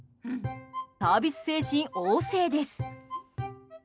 サービス精神旺盛です。